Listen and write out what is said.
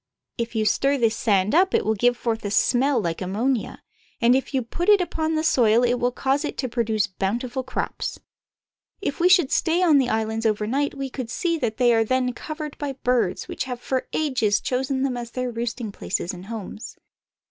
If you stir this sand up it will give forth a smell like ammonia, and if you put it upon the soil it will cause it to produce bountiful crops. If we should stay on the islands overnight we could see that they are then covered by the GUANO ISLANDS. 107 birds which have for ages chosen them as their roosting places and homes.